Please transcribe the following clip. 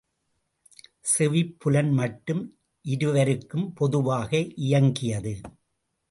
செவிப்புலன் மட்டும் இருவருக்கும் பொதுவாக இயங்கியது.